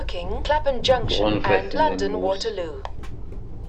Tɣunfa-ten lmut.